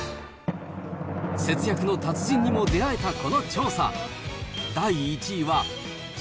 節約の達人にも出会えたこの調査。